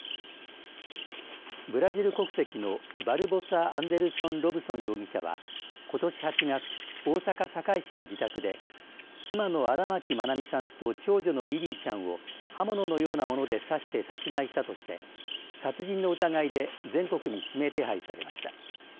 ブラジル国籍のバルボサ・アンデルソン・ロブソン容疑者はことし８月、大阪堺市の自宅で妻の荒牧愛美さんと長女のリリィちゃんを刃物のようなもので刺して殺害したとして殺人の疑いで全国に指名手配されました。